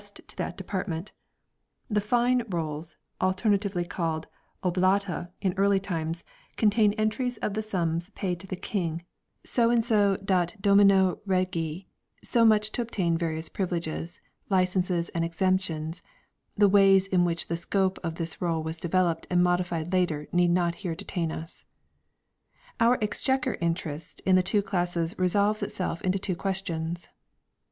OF THE REIGN OF KING JOHN 289 entries of the sums paid to the King so and so " dat domino Regi " so much to obtain various privileges, licences and exemptions (the ways in which the scope of this roll was developed and modified later need not here detain us). Our Exchequer interest in the two classes resolves itself into two questions : 1.